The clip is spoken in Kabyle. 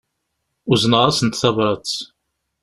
Uzneɣ-asent tabrat.